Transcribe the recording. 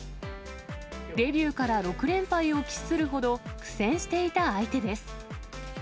デビューから６連敗を喫するほど苦戦していた相手です。